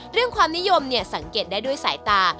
เรื่องความนิยมเนี่ยสังเกตได้ด้วยสายตา